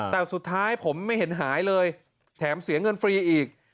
แต่สุดท้ายผมไม่เห็นหายเลยแถมเสียเงินฟรีอีก